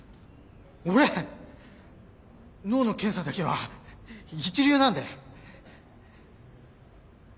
俺脳の検査だけは一流なんで。